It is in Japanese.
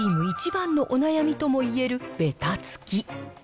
ハンドクリーム一番のお悩みともいえるべたつき。